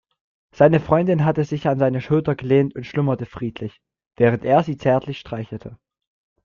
Seine Freundin hatte sich an seine Schulter gelehnt und schlummerte friedlich, während er sie zärtlich streichelte.